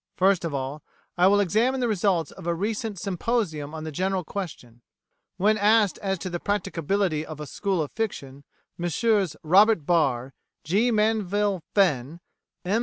First of all, I will examine the results of a recent symposium on the general question.[1:A] When asked as to the practicability of a School of Fiction, Messrs Robert Barr, G. Manville Fenn, M.